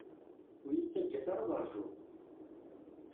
Ur iyi-ttaǧǧat ara ad ṛjuɣ!